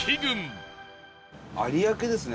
伊達：有明ですね。